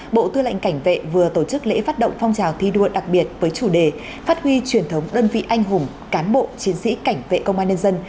bộ tư lệnh cảnh vệ vừa tổ chức lễ phát động phong trào thi đua đặc biệt với chủ đề phát huy truyền thống đơn vị anh hùng cán bộ chiến sĩ cảnh vệ công an nhân dân